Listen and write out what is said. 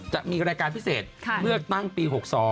จะมีรายการพิเศษเลือกตั้งปี๖๒